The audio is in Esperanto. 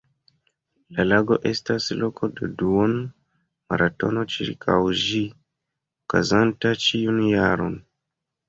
La lago estas loko de duon-maratono ĉirkaŭ ĝi, okazanta ĉiun jaron.